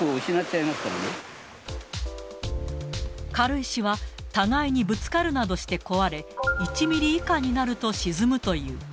軽石は、互いにぶつかるなどして壊れ、１ミリ以下になると沈むという。